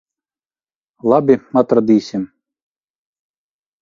Labi. Atradīsim.